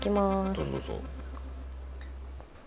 どうぞどうぞ。